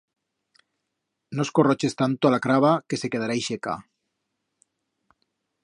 No escorroches tanto a la craba que se quedará ixeca.